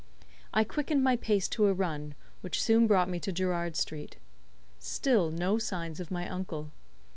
I quickened my pace to a run, which soon brought me to Gerrard Street. Still no signs of my uncle.